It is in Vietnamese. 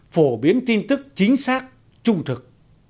phổ biến tin tức chính xác trung thực